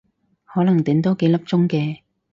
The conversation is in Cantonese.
可能頂多幾粒鐘嘅